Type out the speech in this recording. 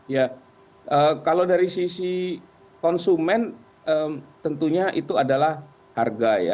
ya kalau dari sisi konsumen tentunya itu adalah harga ya